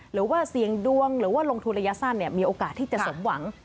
หรือว่าเสี่ยงดวงหรือว่าลงทุนระยะสั้นมีโอกาสที่จะสมหวัง